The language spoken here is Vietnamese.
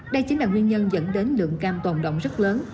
đây chính là nguyên nhân dẫn đến lượng cam tồn động rất lớn